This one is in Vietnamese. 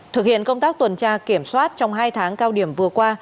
thực hiện công tác tuần tra kiểm soát trong hai tháng cao điểm vừa qua